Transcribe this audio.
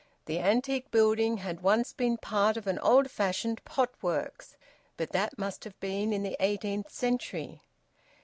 The antique building had once been part of an old fashioned pot works, but that must have been in the eighteenth century.